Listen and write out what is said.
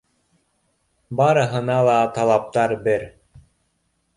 Барыһына ла талаптар бер.